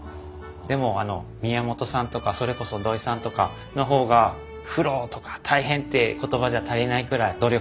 でも宮本さんとかそれこそ土井さんとかの方が苦労とか大変って言葉じゃ足りないくらい努力されて苦労されとると思います。